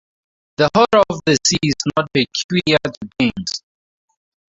The horror of the sea is not peculiar to kings.